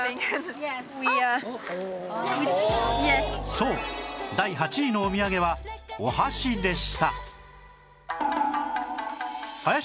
そう第８位のお土産はお箸でした